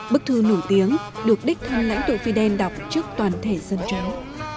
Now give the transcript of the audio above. bức thư nổi tiếng được đích thanh lãnh tụ fidel đọc trước toàn thể dân chống